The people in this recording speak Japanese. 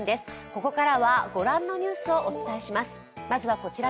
ここからは御覧のニュースをお届けします。